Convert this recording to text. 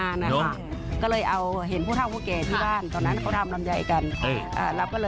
ย้อนกลับไปตอนที่ลำไยมันล้นตลาด